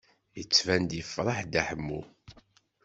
Yettban-d yefṛeḥ Dda Ḥemmu.